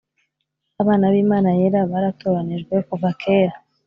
abana b’imana yera baratoranijwe kuva kera